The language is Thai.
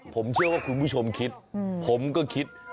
ผมเชื่อว่าคุณผู้ชมคิดผมก็คิด